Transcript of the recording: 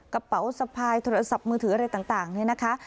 กระเป๋าสะพายโทรศัพท์มือถืออะไรต่างเนี่ยนะคะ